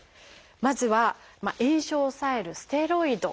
まずは炎症を抑える「ステロイド」。